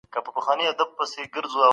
موږ په کوڅې کي له انډيوالانو سره ګرځو.